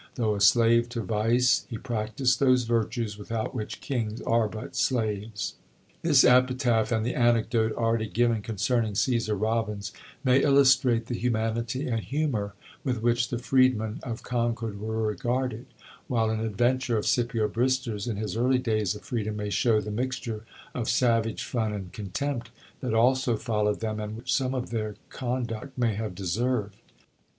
Though a slave to vice, He practised those virtues Without which kings are but slaves." This epitaph, and the anecdote already given concerning Cæsar Robbins, may illustrate the humanity and humor with which the freedmen of Concord were regarded, while an adventure of Scipio Brister's, in his early days of freedom, may show the mixture of savage fun and contempt that also followed them, and which some of their conduct may have deserved.